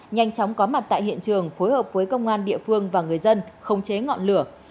tất mặt tại hiện trường phối hợp với công an địa phương và người dân không chế ngọn lửa